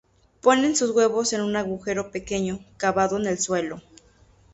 Ponen sus huevos en un agujero pequeño, cavado en el suelo.